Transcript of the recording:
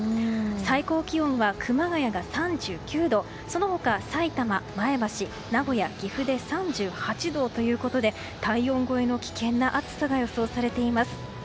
最高気温は熊谷が３９度その他、さいたま、前橋名古屋、岐阜で３８度ということで体温超えの危険な暑さが予想されています。